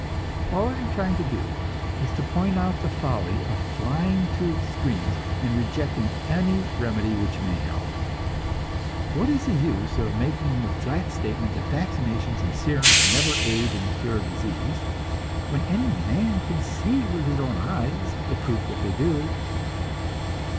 All that I am trying to do is to point out the folly of flying to extremes, and rejecting any remedy which may help. What is the use of making the flat statement that vaccinations and serums never aid in the cure of disease, when any man can see with his own eyes the proof that they do?